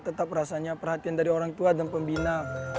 tetap rasanya perhatian dari orang tua dan pembina